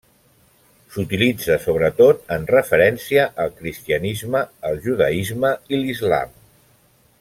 S'utilitza sobretot en referència al cristianisme, el judaisme i l'islam.